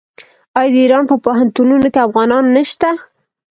آیا د ایران په پوهنتونونو کې افغانان نشته؟